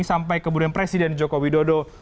sampai kemudian presiden joko widodo